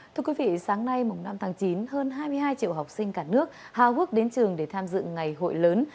thưa quý vị sáng nay mùng năm tháng chín hơn hai mươi hai triệu học sinh cả nước hào hước đến trường để tham dự ngày hội lớn